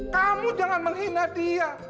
kamu jangan menghina dia